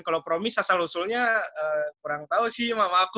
kalau promis asal usulnya kurang tahu sih mama aku